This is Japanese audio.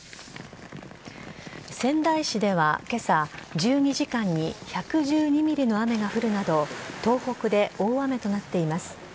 仙台市では今朝１２時間に１１２ｍｍの雨が降るなど東北で大雨となっています。